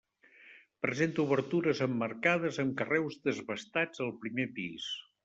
Presenta obertures emmarcades amb carreus desbastats al primer pis.